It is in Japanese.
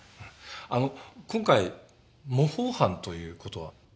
あの今回模倣犯という事は？